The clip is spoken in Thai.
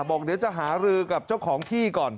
บอกเดี๋ยวจะหารือกับเจ้าของที่ก่อน